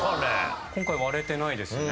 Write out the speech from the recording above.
今回割れてないですね。